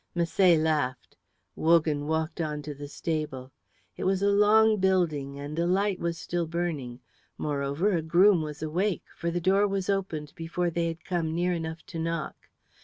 Misset laughed. Wogan walked on to the stable. It was a long building, and a light was still burning. Moreover, a groom was awake, for the door was opened before they had come near enough to knock.